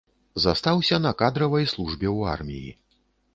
Застаўся на кадравай службе ў арміі.